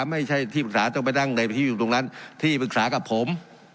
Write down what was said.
ไม่ใช่ที่ปรึกษาต้องไปนั่งในที่อยู่ตรงนั้นที่ปรึกษากับผม